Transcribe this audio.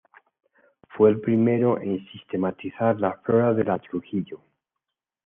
Fue el primero en sistematizar la flora de la Trujillo.